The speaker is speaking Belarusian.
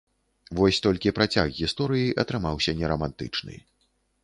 Вось толькі працяг гісторыі атрымаўся не рамантычны.